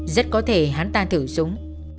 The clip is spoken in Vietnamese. rất có thể hắn ta thử súng